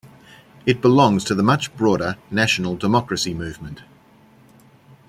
It belongs to the much broader National Democracy Movement.